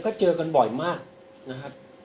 ก็เจอกันบ่อยมากนะครับ